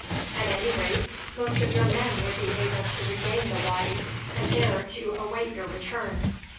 At any rate most of your men would be able to regain the wady and there to await your return.